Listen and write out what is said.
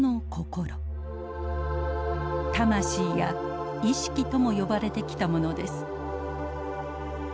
魂や意識とも呼ばれてきたものです。